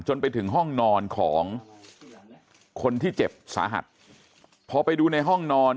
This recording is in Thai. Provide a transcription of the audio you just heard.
ไปถึงห้องนอนของคนที่เจ็บสาหัสพอไปดูในห้องนอน